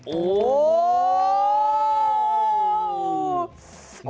โอ๊ะ